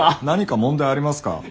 何か問題ありますか？